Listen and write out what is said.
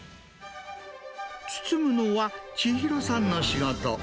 包むのは、千尋さんの仕事。